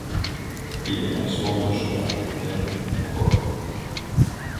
Pide máis fondos para atender a Covid.